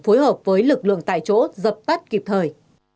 phối hợp với lực lượng tại chỗ dập tắt kịp thời